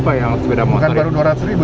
pak yang sepeda motor bukan baru dua ratus ribu